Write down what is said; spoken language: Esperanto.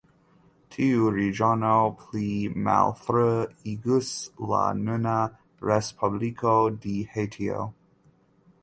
Tiu regiono pli malfrue iĝus la nuna Respubliko de Haitio.